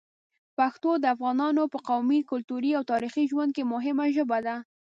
پښتو د افغانانو په قومي، کلتوري او تاریخي ژوند کې مهمه ژبه ده.